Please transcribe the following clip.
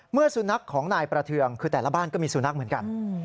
เมื่อสุนัขของนายประเทืองคือแต่ละบ้านก็มีสุนัขเหมือนกัน